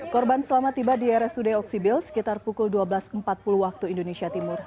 korban selamat tiba di rsud oksibil sekitar pukul dua belas empat puluh waktu indonesia timur